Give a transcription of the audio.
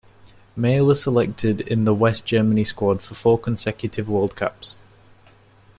Maier was selected in the West Germany squad for four consecutive World Cups.